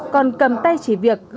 còn cầm tay chỉ việc